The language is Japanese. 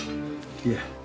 いえ。